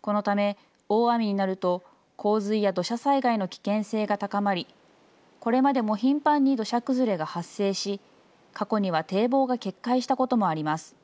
このため、大雨になると、洪水や土砂災害の危険性が高まり、これまでも頻繁に土砂崩れが発生し、過去には堤防が決壊したこともあります。